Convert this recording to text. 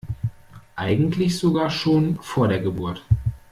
Eigentlich sogar schon vor der Geburt.